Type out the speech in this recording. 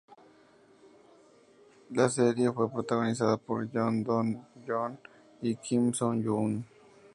La serie fue protagonizada por Yoon Doo Joon y Kim So Hyun.